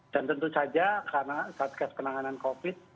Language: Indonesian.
dan tentu saja karena satgas penanganan covid sembilan belas